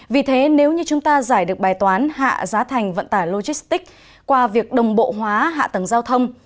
vì thế nếu như chúng ta giải được bài toán hạ giá thành vận tải logistics qua việc đồng bộ hóa hạ tầng giao thông